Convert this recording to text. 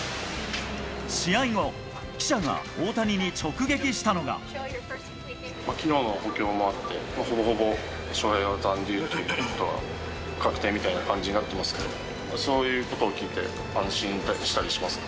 試合後、記者が大谷に直撃しきのうの補強もあって、ほぼほぼ、翔平は残留だということは、確定みたいな感じになってますけど、そういうことを聞いて、安心したりしますか？